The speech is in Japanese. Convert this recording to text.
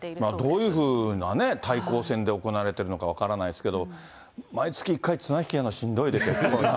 どういうふうな対抗戦で行われているのか分からないですけど、毎月１回綱引きやるの、しんどいですよ、こんなん。